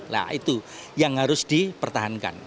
nah itu yang harus dipertahankan